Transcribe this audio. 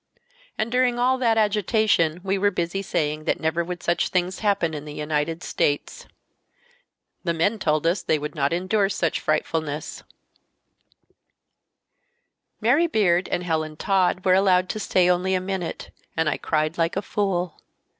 And during all that agitation we were busy saying that never would such things happen in the United States. The men told us they would not endure such frightfulness." Sentence of seven months for "obstructing traffic." "Mary Beard and Helen Todd were allowed to stay only a minute, and I cried like a fool.